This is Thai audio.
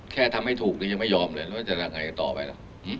แค่ทำให้ถูกแล้วยังไม่ยอมเลยแล้วมันจะยังไงต่อไปล่ะ